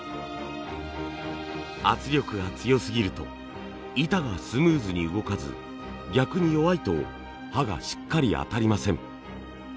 圧力が強すぎると板がスムーズに動かず逆に弱いと刃がしっかり当たりません。